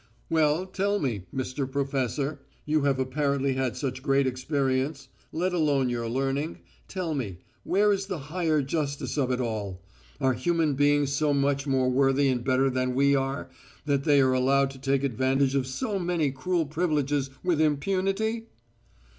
"Well, tell me, Mr. Professor, you have apparently had such great experience, let alone your learning tell me, where is the higher justice of it all? Are human beings so much more worthy and better than we are, that they are allowed to take advantage of so many cruel privileges with impunity?"